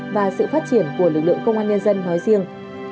và sự phát triển của lực lượng công an nhân dân nói riêng